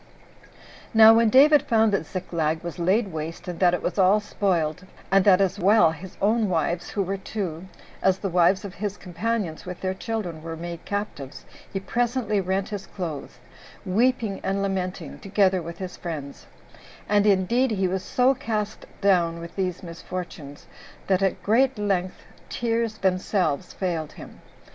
6. Now when David found that Ziklag was laid waste, and that it was all spoiled, and that as well his own wives, who were two, as the wives of his companions, with their children, were made captives, he presently rent his clothes, weeping and lamenting, together with his friends; and indeed he was so cast down with these misfortunes, that at length tears themselves failed him.